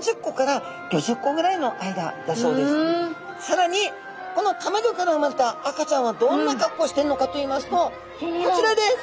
さらにこのたまギョから生まれた赤ちゃんはどんな格好をしているのかといいますとこちらです。